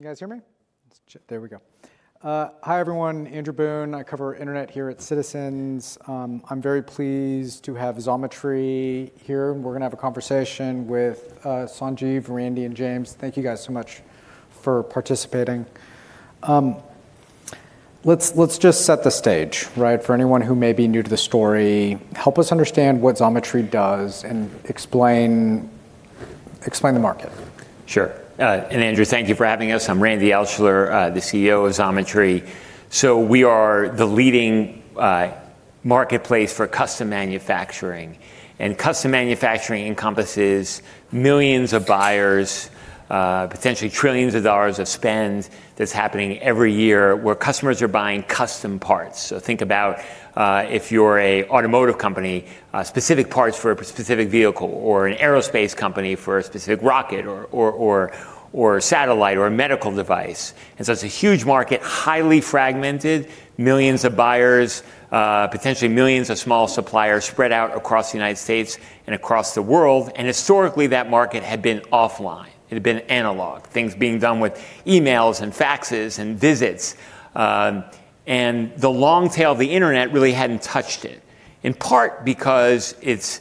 You guys hear me? There we go. Hi, everyone. Andrew Boone. I cover internet here at Citizens. I'm very pleased to have Xometry here. We're gonna have a conversation with Sanjeev, Randy, and James. Thank you guys so much for participating. Let's just set the stage, right? For anyone who may be new to the story, help us understand what Xometry does and explain the market. Sure. Andrew, thank you for having us. I'm Randy Altschuler, the CEO of Xometry. We are the leading marketplace for custom manufacturing, and custom manufacturing encompasses millions of buyers, potentially trillions of dollars of spend that's happening every year where customers are buying custom parts. Think about if you're an automotive company, specific parts for a specific vehicle, or an aerospace company for a specific rocket or a satellite or a medical device. It's a huge market, highly fragmented, millions of buyers, potentially millions of small suppliers spread out across the United States and across the world. Historically, that market had been offline. It had been analog. Things being done with emails and faxes and visits. And the long tail of the internet really hadn't touched it, in part because it's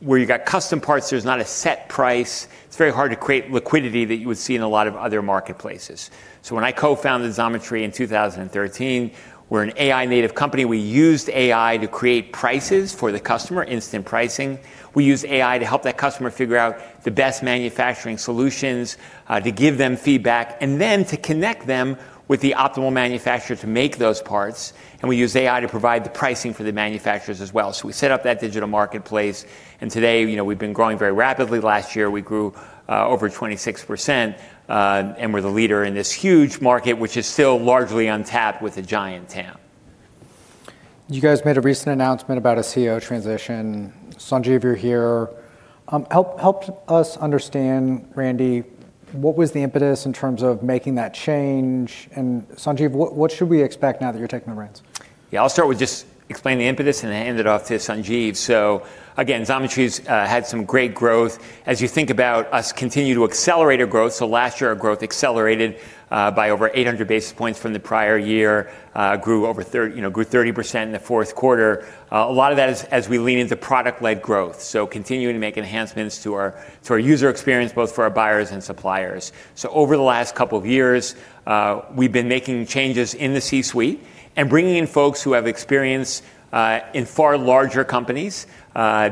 where you got custom parts, there's not a set price. It's very hard to create liquidity that you would see in a lot of other marketplaces. When I co-founded Xometry in 2013, we're an AI native company. We used AI to create prices for the customer, instant pricing. We used AI to help that customer figure out the best manufacturing solutions, to give them feedback, and then to connect them with the optimal manufacturer to make those parts, and we used AI to provide the pricing for the manufacturers as well. We set up that digital marketplace, and today, you know, we've been growing very rapidly. Last year, we grew, over 26%, and we're the leader in this huge market, which is still largely untapped with a giant TAM. You guys made a recent announcement about a CEO transition. Sanjeev, you're here. help us understand, Randy, what was the impetus in terms of making that change? Sanjeev, what should we expect now that you're taking the reins? Yeah. I'll start with just explaining the impetus, and then hand it off to Sanjeev. Again, Xometry's had some great growth. As you think about us continue to accelerate our growth, last year, our growth accelerated by over 800 basis points from the prior year, grew you know, 30% in the fourth quarter. A lot of that is as we lean into product-led growth, so continuing to make enhancements to our user experience, both for our buyers and suppliers. Over the last couple of years, we've been making changes in the C-suite and bringing in folks who have experience in far larger companies,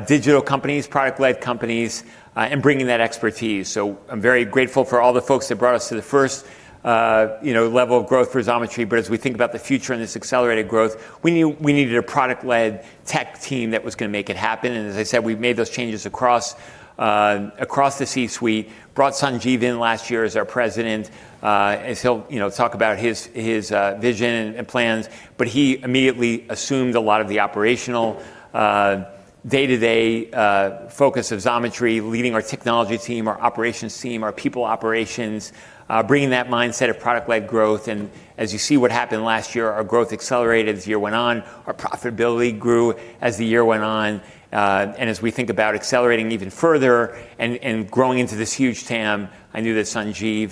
digital companies, product-led companies, and bringing that expertise. I'm very grateful for all the folks that brought us to the first, you know, level of growth for Xometry. As we think about the future and this accelerated growth, we needed a product-led tech team that was gonna make it happen. As I said, we've made those changes across across the C-suite, brought Sanjeev in last year as our president, as he'll, you know, talk about his vision and plans. He immediately assumed a lot of the operational, day-to-day focus of Xometry, leading our technology team, our operations team, our people operations, bringing that mindset of product-led growth. As you see what happened last year, our growth accelerated as the year went on. Our profitability grew as the year went on. As we think about accelerating even further and growing into this huge TAM, I knew that Sanjeev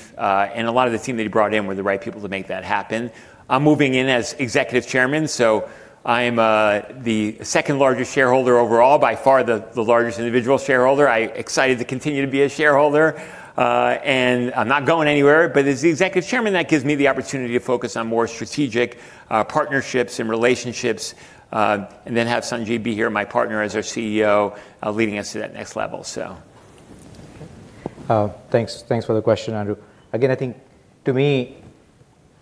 and a lot of the team that he brought in were the right people to make that happen. I'm moving in as Executive Chairman, so I'm the second-largest shareholder overall, by far the largest individual shareholder. I'm excited to continue to be a shareholder, and I'm not going anywhere. As the Executive Chairman, that gives me the opportunity to focus on more strategic partnerships and relationships, and then have Sanjeev be here, my partner, as our CEO, leading us to that next level. Thanks. Thanks for the question, Andrew. Again, I think to me,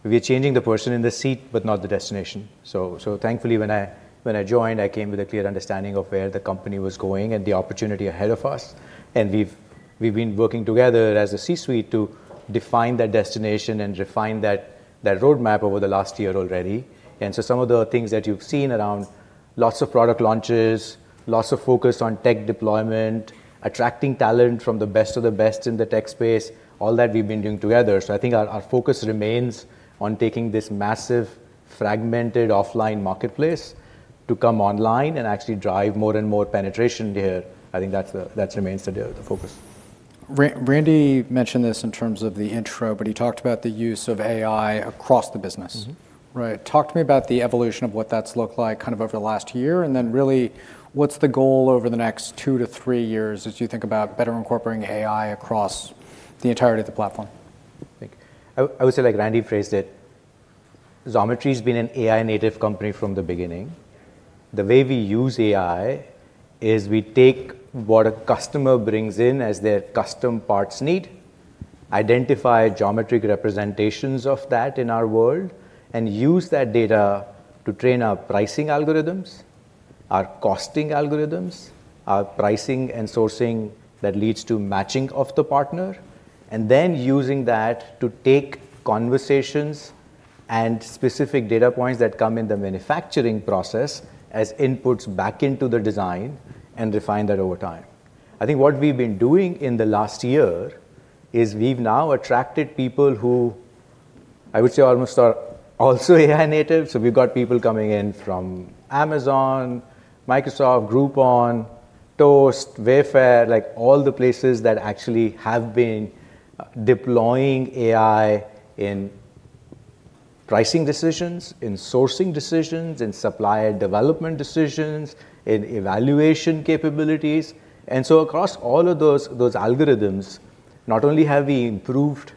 we're changing the person in the seat, but not the destination. Thankfully, when I joined, I came with a clear understanding of where the company was going and the opportunity ahead of us, and we've been working together as a C-suite to define that destination and refine that roadmap over the last year already. Some of the things that you've seen around lots of product launches, lots of focus on tech deployment, attracting talent from the best of the best in the tech space, all that we've been doing together. I think our focus remains on taking this massive, fragmented offline marketplace to come online and actually drive more and more penetration there. I think that remains the focus. Randy mentioned this in terms of the intro, but he talked about the use of AI across the business. Mm-hmm. Right. Talk to me about the evolution of what that's looked like kind of over the last year, and then really, what's the goal over the next two-three years as you think about better incorporating AI across the entirety of the platform? Thank you. I would say like Randy phrased it, Xometry's been an AI native company from the beginning. The way we use AI is we take what a customer brings in as their custom parts need, identify geometric representations of that in our world, and use that data to train our pricing algorithms, our costing algorithms, our pricing and sourcing that leads to matching of the partner, and then using that to take conversations and specific data points that come in the manufacturing process as inputs back into the design and refine that over time. I think what we've been doing in the last year is we've now attracted people who I would say almost are also AI native. We've got people coming in from Amazon, Microsoft, Groupon, Toast, Wayfair, like all the places that actually have been deploying AI in pricing decisions, in sourcing decisions, in supplier development decisions, in evaluation capabilities. Across all of those algorithms, not only have we improved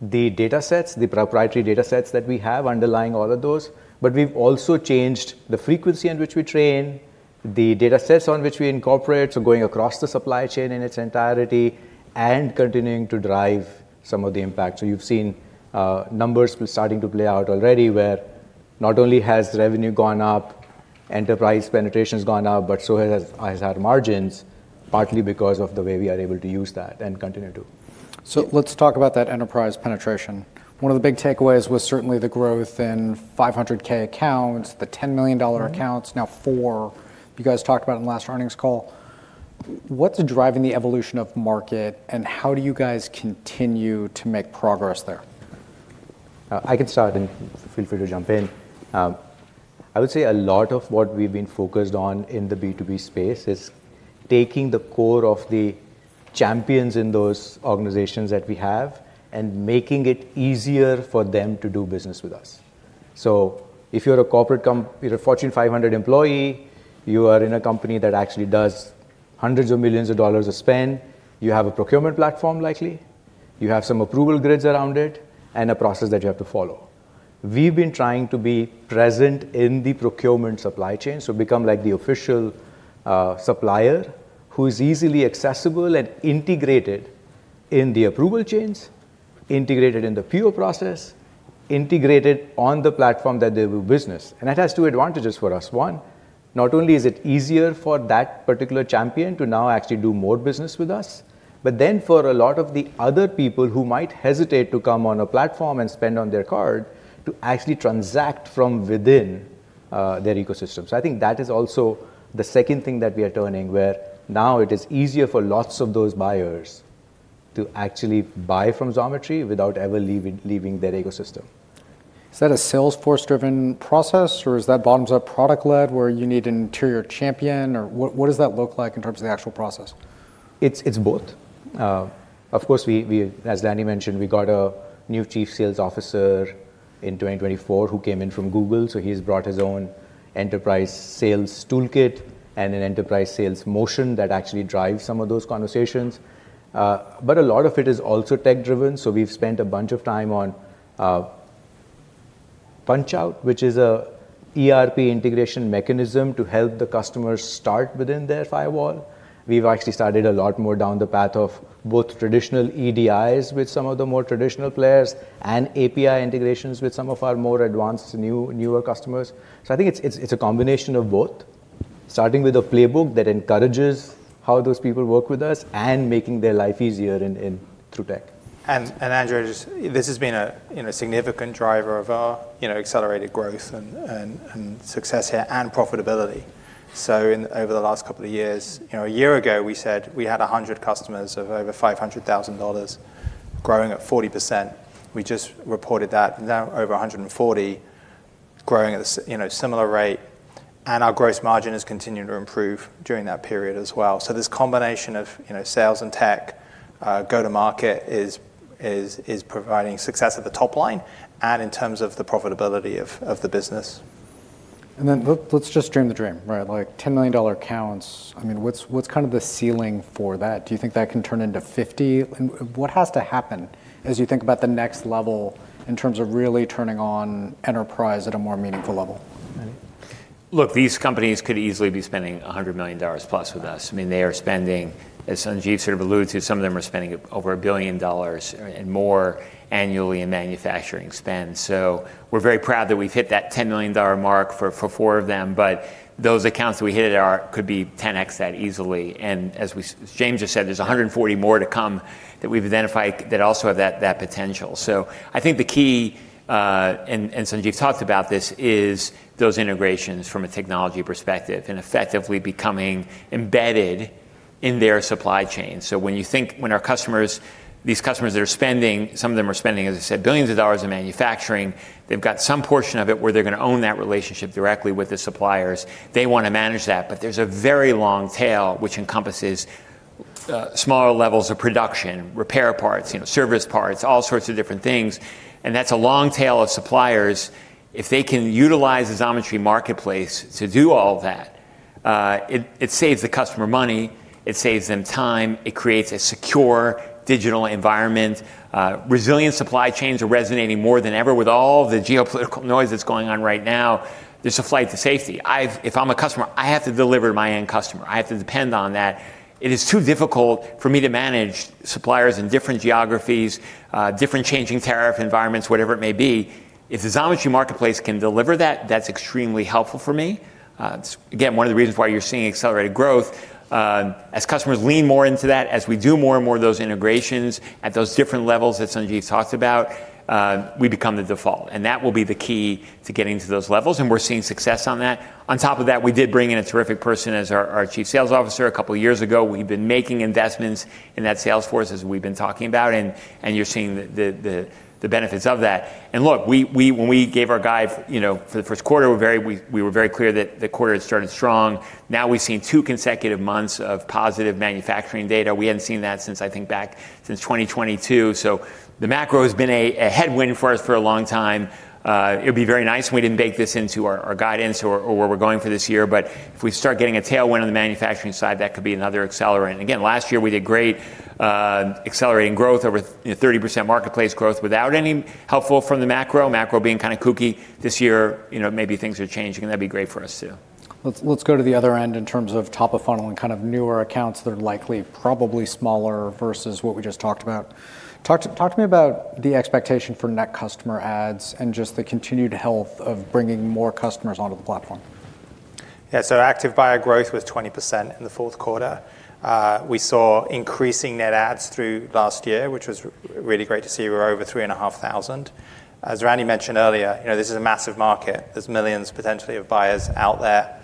the datasets, the proprietary datasets that we have underlying all of those, but we've also changed the frequency in which we train, the datasets on which we incorporate, so going across the supply chain in its entirety, and continuing to drive some of the impact. You've seen numbers starting to play out already where not only has revenue gone up, enterprise penetration's gone up, but so has had margins, partly because of the way we are able to use that and continue to. Let's talk about that enterprise penetration. One of the big takeaways was certainly the growth in 500K accounts, the $10 million dollar- Mm-hmm. accounts now four. You guys talked about in the last earnings call. What's driving the evolution of market, and how do you guys continue to make progress there? I can start and feel free to jump in. I would say a lot of what we've been focused on in the B2B space is taking the core of the champions in those organizations that we have and making it easier for them to do business with us. If you're a Fortune 500 employee, you are in a company that actually does hundreds of millions of dollars of spend, you have a procurement platform likely, you have some approval grids around it and a process that you have to follow. We've been trying to be present in the procurement supply chain, so become like the official supplier who is easily accessible and integrated in the approval chains, integrated in the PO process, integrated on the platform that they do business. That has two advantages for us. One, not only is it easier for that particular champion to now actually do more business with us, but then for a lot of the other people who might hesitate to come on a platform and spend on their card to actually transact from within, their ecosystem. I think that is also the second thing that we are doing, where now it is easier for lots of those buyers to actually buy from Xometry without ever leaving their ecosystem. Is that a Salesforce-driven process, or is that bottoms-up product-led where you need an interior champion, or what does that look like in terms of the actual process? It's both. Of course, as Andrew Boone mentioned, we got a new Chief Sales Officer in 2024 who came in from Google. He's brought his own enterprise sales toolkit and an enterprise sales motion that actually drives some of those conversations. A lot of it is also tech-driven. We've spent a bunch of time on PunchOut, which is an ERP integration mechanism to help the customers start within their firewall. We've actually started a lot more down the path of both traditional EDIs with some of the more traditional players and API integrations with some of our more advanced newer customers. I think it's a combination of both, starting with a playbook that encourages how those people work with us and making their life easier through tech. Andrew, this has been a, you know, significant driver of our, you know, accelerated growth and success here and profitability. Over the last couple of years, you know, a year ago, we said we had 100 customers of over $500,000 growing at 40%. We just reported that now over 140 growing at a, you know, similar rate, our gross margin has continued to improve during that period as well. This combination of, you know, sales and tech go to market is providing success at the top line and in terms of the profitability of the business. Then let's just dream the dream, right? Like $10 million accounts, I mean, what's kind of the ceiling for that? Do you think that can turn into 50? What has to happen as you think about the next level in terms of really turning on enterprise at a more meaningful level? These companies could easily be spending $100 million plus with us. I mean, they are spending, as Sanjeev sort of alluded to, some of them are spending over $1 billion and more annually in manufacturing spend. We're very proud that we've hit that $10 million mark for four of them. But those accounts that we hit it could be 10x that easily. James just said, there's 140 more to come that we've identified that also have that potential. I think the key, and Sanjeev talked about this, is those integrations from a technology perspective and effectively becoming embedded in their supply chain. When our customers, these customers that are spending, some of them are spending, as I said, billions of dollars in manufacturing, they've got some portion of it where they're gonna own that relationship directly with the suppliers. They wanna manage that. There's a very long tail which encompasses, smaller levels of production, repair parts, you know, service parts, all sorts of different things. That's a long tail of suppliers. If they can utilize the Xometry marketplace to do all that, it saves the customer money, it saves them time, it creates a secure digital environment. Resilient supply chains are resonating more than ever with all the geopolitical noise that's going on right now. There's a flight to safety. If I'm a customer, I have to deliver to my end customer. I have to depend on that. It is too difficult for me to manage suppliers in different geographies, different changing tariff environments, whatever it may be. If the Xometry marketplace can deliver that's extremely helpful for me. It's again, one of the reasons why you're seeing accelerated growth. As customers lean more into that, as we do more and more of those integrations at those different levels that Sanjeev talked about, we become the default, and that will be the key to getting to those levels, and we're seeing success on that. On top of that, we did bring in a terrific person as our Chief Sales Officer a couple of years ago. We've been making investments in that sales force as we've been talking about, and you're seeing the benefits of that. Look, when we gave our guide, you know, for the first quarter, we were very clear that the quarter had started strong. We've seen two consecutive months of positive manufacturing data. We hadn't seen that since, I think, back since 2022. The macro has been a headwind for us for a long time. It'd be very nice if we didn't bake this into our guidance or where we're going for this year. If we start getting a tailwind on the manufacturing side, that could be another accelerant. Last year we did great, accelerating growth, over you know, 30% marketplace growth without any helpful from the macro being kinda kooky. This year, you know, maybe things are changing, that'd be great for us too. Let's go to the other end in terms of top of funnel and kind of newer accounts that are likely probably smaller versus what we just talked about. Talk to me about the expectation for net customer adds and just the continued health of bringing more customers onto the platform? Yeah. Active buyer growth was 20% in the fourth quarter. We saw increasing net adds through last year, which was really great to see. We're over 3,500. As Randy mentioned earlier, you know, this is a massive market. There's millions potentially of buyers out there.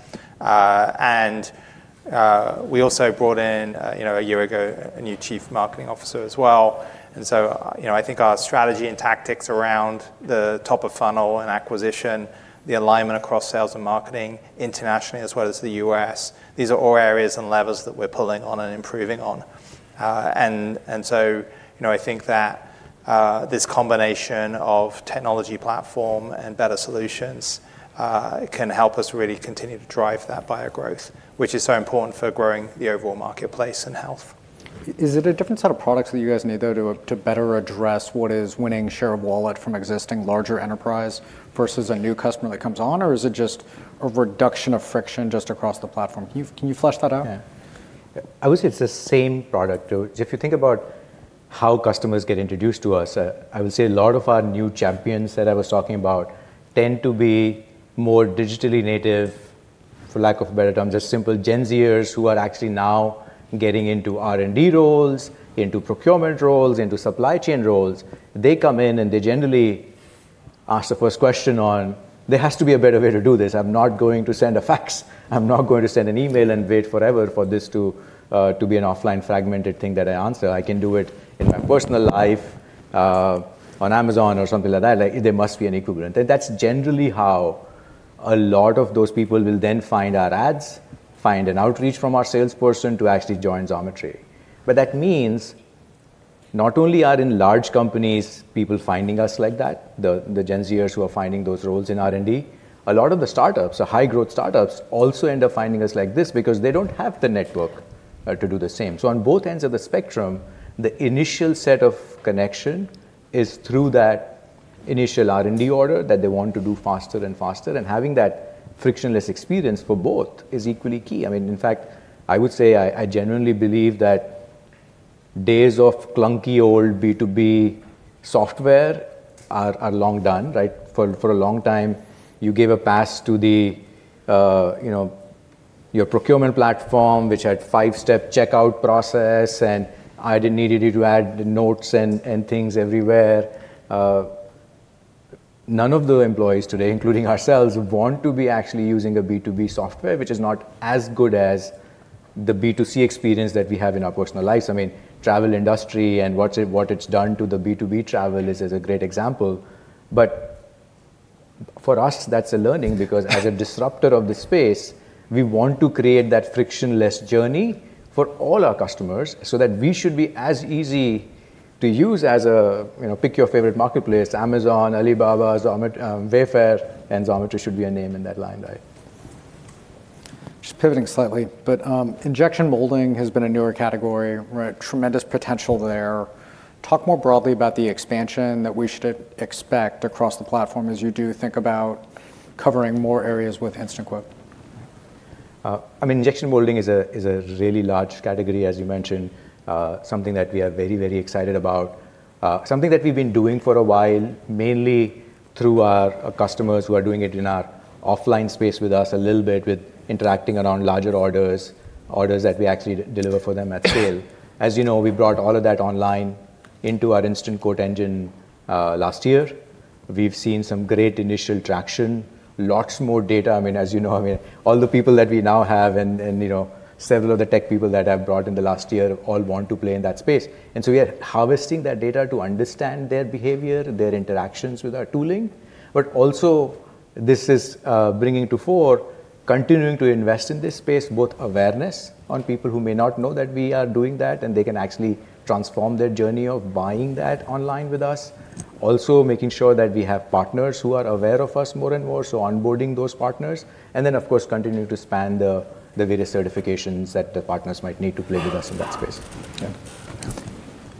We also brought in, you know, a year ago a new chief marketing officer as well. You know, I think our strategy and tactics around the top of funnel and acquisition, the alignment across sales and marketing internationally as well as the U.S., these are all areas and levers that we're pulling on and improving on. You know, I think that, this combination of technology platform and better solutions, can help us really continue to drive that buyer growth, which is so important for growing the overall marketplace and health. Is it a different set of products that you guys need though to better address what is winning share of wallet from existing larger enterprise versus a new customer that comes on? Is it just a reduction of friction just across the platform? Can you flesh that out? Yeah. I would say it's the same product. If you think about how customers get introduced to us, I would say a lot of our new champions that I was talking about tend to be more digitally native, for lack of a better term, just simple Gen Zers who are actually now getting into R&D roles, into procurement roles, into supply chain roles. They come in and they generally ask the first question on, "There has to be a better way to do this. I'm not going to send a fax. I'm not going to send an email and wait forever for this to be an offline fragmented thing that I answer. I can do it in my personal life, on Amazon or something like that. Like, there must be an equivalent." That's generally how a lot of those people will then find our ads, find an outreach from our salesperson to actually join Xometry. That means not only are in large companies people finding us like that, the Gen Zers who are finding those roles in R&D, a lot of the startups, the high-growth startups, also end up finding us like this because they don't have the network to do the same. On both ends of the spectrum, the initial set of connection is through that initial R&D order that they want to do faster and faster, and having that frictionless experience for both is equally key. I mean, in fact, I would say I genuinely believe that days of clunky old B2B software are long done, right? For a long time, you gave a pass to the, you know, your procurement platform, which had five-step checkout process. I didn't needed you to add the notes and things everywhere. None of the employees today, including ourselves, want to be actually using a B2B software which is not as good as the B2C experience that we have in our personal lives. I mean, travel industry and what it's done to the B2B travel is a great example. For us, that's a learning, because as a disruptor of the space, we want to create that frictionless journey for all our customers so that we should be as easy to use as a, you know, pick your favorite marketplace, Amazon, Alibaba, Wayfair, and Xometry should be a name in that line, right? Just pivoting slightly, but, injection molding has been a newer category, right? Tremendous potential there. Talk more broadly about the expansion that we should expect across the platform as you do think about covering more areas with Instant Quote. I mean, injection molding is a really large category, as you mentioned, something that we are very, very excited about, something that we've been doing for a while, mainly through our customers who are doing it in our offline space with us a little bit with interacting around larger orders that we actually de-deliver for them at scale. As you know, we brought all of that online into our Instant Quote Engine last year. We've seen some great initial traction, lots more data. I mean, as you know, I mean, all the people that we now have and, you know, several of the tech people that I've brought in the last year all want to play in that space. So we are harvesting that data to understand their behavior, their interactions with our tooling. This is bringing to fore continuing to invest in this space, both awareness on people who may not know that we are doing that, and they can actually transform their journey of buying that online with us. Making sure that we have partners who are aware of us more and more, so onboarding those partners. Of course, continuing to expand the various certifications that the partners might need to play with us in that space. Yeah.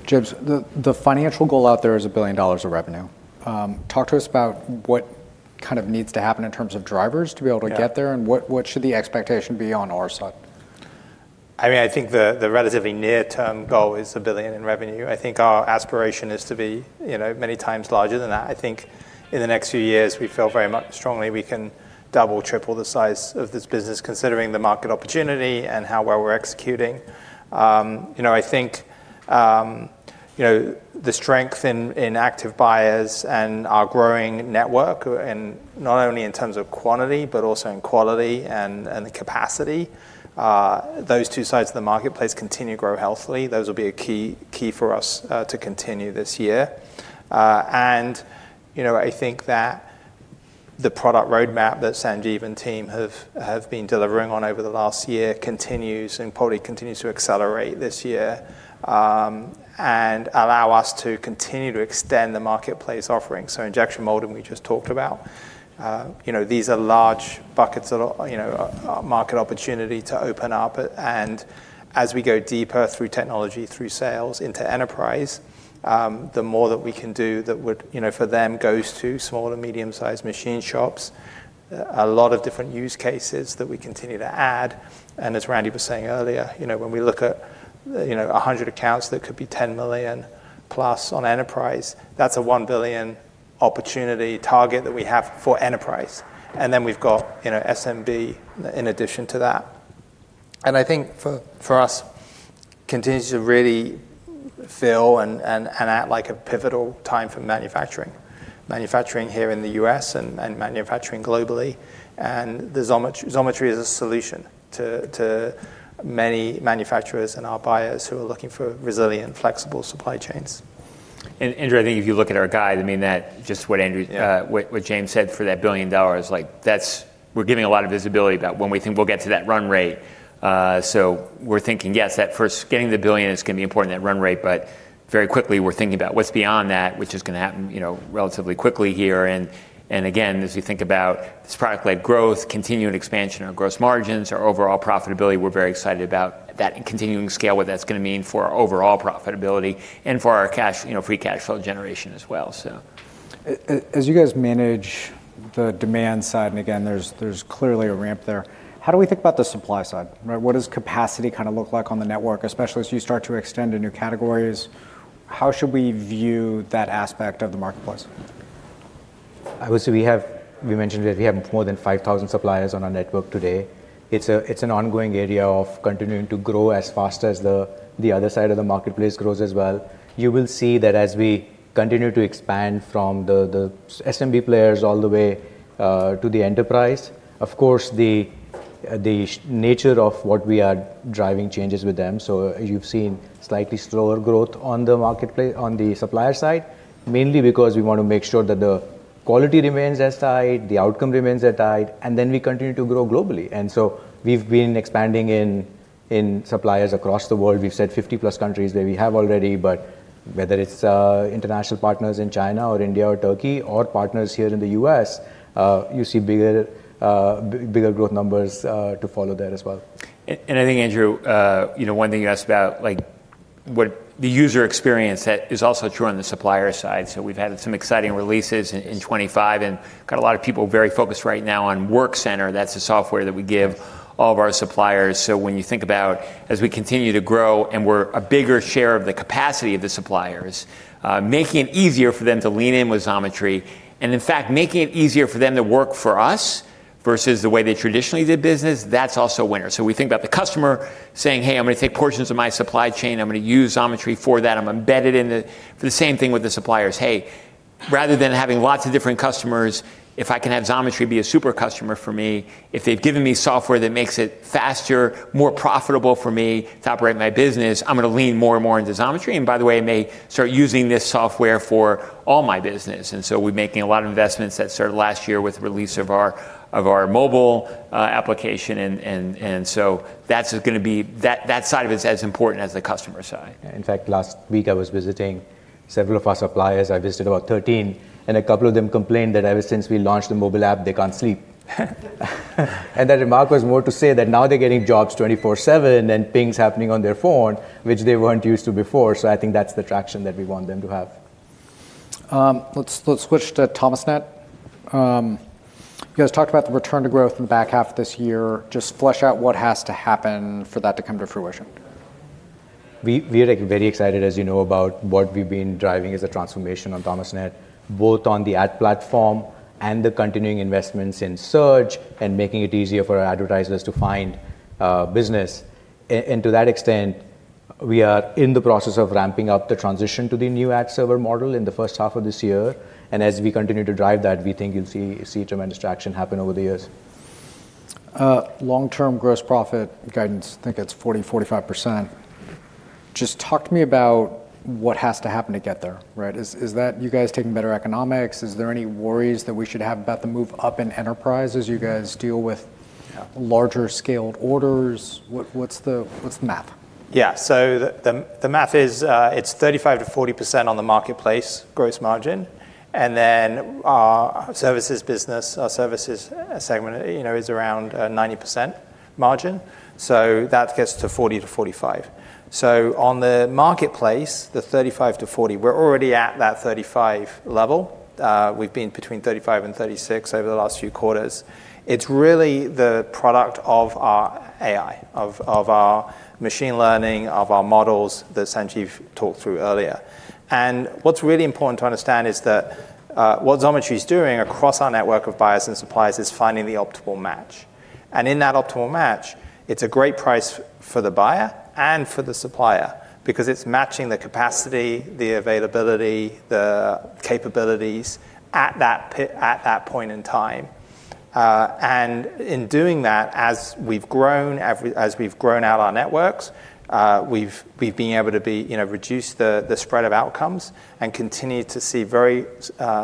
Jibs, the financial goal out there is $1 billion of revenue. Talk to us about what kind of needs to happen in terms of drivers? Yeah Get there, and what should the expectation be on our side? I mean, I think the relatively near-term goal is $1 billion in revenue. I think our aspiration is to be, you know, many times larger than that. I think in the next few years, we feel very much strongly we can double, triple the size of this business considering the market opportunity and how well we're executing. You know, I think, you know, the strength in active buyers and our growing network, and not only in terms of quantity, but also in quality and the capacity. Those two sides of the marketplace continue to grow healthily. Those will be a key for us to continue this year. You know, I think that the product roadmap that Sanjeev and team have been delivering on over the last year continues and probably continues to accelerate this year, and allow us to continue to extend the marketplace offering. Injection molding, we just talked about, you know, these are large buckets of, you know, market opportunity to open up. As we go deeper through technology, through sales into enterprise, the more that we can do that would, you know, for them goes to small and medium-sized machine shops, a lot of different use cases that we continue to add. As Randy was saying earlier, you know, when we look at, you know, 100 accounts, that could be $10 million+ on enterprise, that's a $1 billion opportunity target that we have for enterprise. Then we've got, you know, SMB in addition to that. I think for us continues to really feel and act like a pivotal time for manufacturing. Manufacturing here in the U.S. and manufacturing globally. The Xometry is a solution to many manufacturers and our buyers who are looking for resilient, flexible supply chains. Andrew, I think if you look at our guide, I mean that just what. Yeah. What James said for that $1 billion, like we're giving a lot of visibility about when we think we'll get to that run rate. We're thinking, yes, that first getting the $1 billion is gonna be important, that run rate, but very quickly, we're thinking about what's beyond that, which is gonna happen, you know, relatively quickly here. Again, as you think about this product-led growth, continued expansion of gross margins, our overall profitability, we're very excited about that continuing scale, what that's gonna mean for our overall profitability and for our cash, you know, free cash flow generation as well. As you guys manage the demand side, again, there's clearly a ramp there, how do we think about the supply side, right? What does capacity kinda look like on the network, especially as you start to extend to new categories? How should we view that aspect of the marketplace? I would say we mentioned that we have more than 5,000 suppliers on our network today. It's an ongoing area of continuing to grow as fast as the other side of the marketplace grows as well. You will see that as we continue to expand from the SMB players all the way to the enterprise, of course, the nature of what we are driving changes with them. You've seen slightly slower growth on the marketplace, on the supplier side, mainly because we wanna make sure that the quality remains as tight, the outcome remains as tight, and then we continue to grow globally. We've been expanding in suppliers across the world. We've said 50-plus countries that we have already. Whether it's international partners in China or India or Turkey or partners here in the U.S., you see bigger growth numbers to follow there as well. I think, Andrew, you know, one thing you asked about, like what the user experience, that is also true on the supplier side. We've had some exciting releases in 2025, and got a lot of people very focused right now on Workcenter. That's the software that we give all of our suppliers. When you think about as we continue to grow and we're a bigger share of the capacity of the suppliers, making it easier for them to lean in with Xometry, and in fact, making it easier for them to work for us versus the way they traditionally did business, that's also a winner. We think about the customer saying, "Hey, I'm gonna take portions of my supply chain. I'm gonna use Xometry for that. I'm embedded in the..." For the same thing with the suppliers. Hey, rather than having lots of different customers, if I can have Xometry be a super customer for me, if they've given me software that makes it faster, more profitable for me to operate my business, I'm gonna lean more and more into Xometry, by the way, may start using this software for all my business. We're making a lot of investments that started last year with release of our mobile application and that side of it is as important as the customer side. In fact, last week I was visiting several of our suppliers. I visited about 13. A couple of them complained that ever since we launched the mobile app, they can't sleep. That remark was more to say that now they're getting jobs 24/7 and pings happening on their phone, which they weren't used to before. I think that's the traction that we want them to have. let's switch to Thomasnet. You guys talked about the return to growth in the back half of this year. Just flesh out what has to happen for that to come to fruition. We are, like, very excited, as you know, about what we've been driving as a transformation on Thomasnet, both on the ad platform and the continuing investments in search and making it easier for our advertisers to find business. To that extent, we are in the process of ramping up the transition to the new ad server model in the first half of this year. As we continue to drive that, we think you'll see tremendous traction happen over the years. long-term gross profit guidance, I think it's 40%-45%. Just talk to me about what has to happen to get there, right? Is that you guys taking better economics? Is there any worries that we should have about the move up in enterprise as you guys deal with larger scaled orders? What's the math? The math is, it's 35%-40% on the marketplace gross margin, and then our services business, our services segment, you know, is around 90% margin. That gets to 40%-45%. On the marketplace, the 35%-40%, we're already at that 35% level. We've been between 35% and 36% over the last few quarters. It's really the product of our AI, of our machine learning, of our models that Sanjeev talked through earlier. What's really important to understand is that what Xometry's doing across our network of buyers and suppliers is finding the optimal match. In that optimal match, it's a great price for the buyer and for the supplier because it's matching the capacity, the availability, the capabilities at that point in time. In doing that, as we've grown out our networks, we've been able to be, you know, reduce the spread of outcomes and continue to see very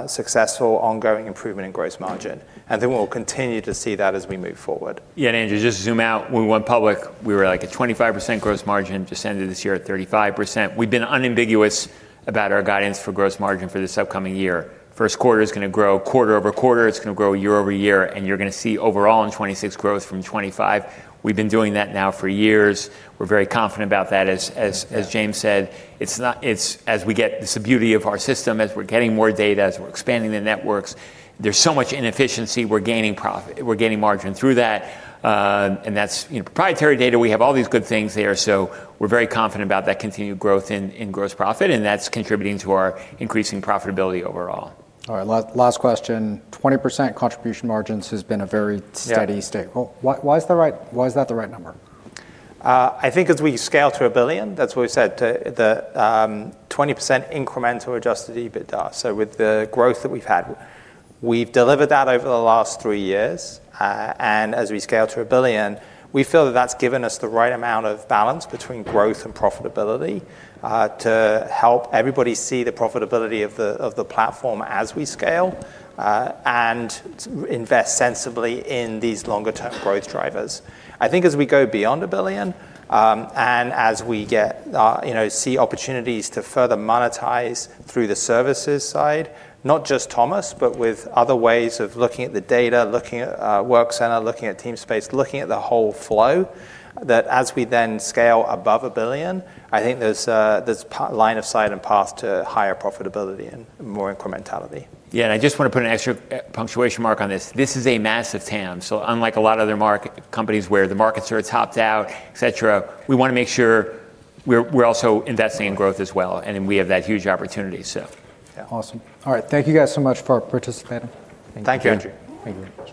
successful ongoing improvement in gross margin. Then we'll continue to see that as we move forward. Yeah. Andrew, just zoom out, when we went public, we were like a 25% gross margin, descended this year at 35%. We've been unambiguous about our guidance for gross margin for this upcoming year. First quarter is gonna grow quarter-over-quarter, it's gonna grow year-over-year, you're gonna see overall in 2026 growth from 2025. We've been doing that now for years. We're very confident about that. As James said, it's as we get. It's the beauty of our system. As we're getting more data, as we're expanding the networks, there's so much inefficiency. We're gaining margin through that. That's, you know, proprietary data. We have all these good things there, we're very confident about that continued growth in gross profit, that's contributing to our increasing profitability overall. All right. Last question. 20% contribution margins has been a very- Yeah... steady state. Well, why is that right? Why is that the right number? I think as we scale to $1 billion, that's what we've said, the 20% incremental Adjusted EBITDA. With the growth that we've had, we've delivered that over the last three years. As we scale to $1 billion, we feel that that's given us the right amount of balance between growth and profitability, to help everybody see the profitability of the platform as we scale, and to invest sensibly in these longer term growth drivers. I think as we go beyond $1 billion, and as we get, you know, see opportunities to further monetize through the services side, not just Thomas, but with other ways of looking at the data, looking at, Workcenter, looking at Teamspace, looking at the whole flow, that as we then scale above $1 billion, I think there's line of sight and path to higher profitability and more incrementality. Yeah. I just wanna put an extra punctuation mark on this. This is a massive TAM. Unlike a lot of other companies where the markets are topped out, et cetera, we wanna make sure we're also investing in growth as well, and we have that huge opportunity. Yeah. Awesome. All right. Thank you guys so much for participating. Thank you. Thank you, Andrew. Thank you.